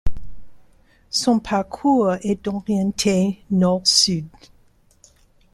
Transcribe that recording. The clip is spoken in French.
Son parcours est orienté Nord-sud.